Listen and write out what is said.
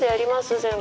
全部。